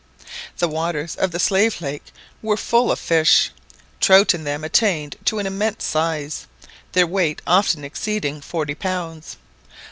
The waters of the Slave Lake were full of fish; trout in them attained to an immense size, their weight often exceeding forty pounds.